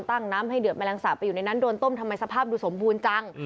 น้ำให้เดือดแมลงสาปไปอยู่ในนั้นโดนต้มทำไมสภาพดูสมบูรณ์จัง